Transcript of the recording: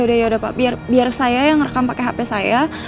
udah yaudah pak biar saya yang rekam pakai hp saya